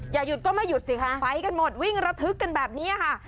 อย่าหยุดก็ไม่หยุดสิคะไปกันหมดวิ่งระทึกกันแบบนี้ค่ะ